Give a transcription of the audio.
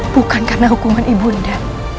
bukan karena hukuman ibu nda